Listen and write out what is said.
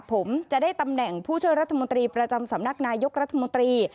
ผมจะได้ตำแหน่งผู้ช่วยรัฐมนตรีประจำสำนักนายกรัฐมนตรี